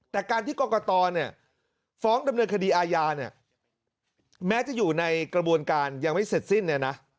แต่การที่กรกฎร์ฟ้องดำเนินคดีอายานแม้จะอยู่ในกระบวนการยังไม่เสร็จสิ้น